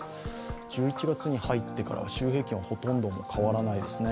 １１月に入ってからは週平均はもうほとんど変わらないですね。